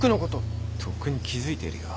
とっくに気付いてるよ